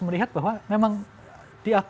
melihat bahwa memang diakui